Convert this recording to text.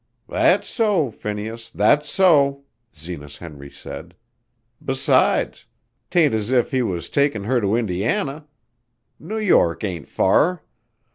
"That's so, Phineas! That's so!" Zenas Henry said. "Besides, 'tain't as if he was takin' her to Indiana. New York ain't fur.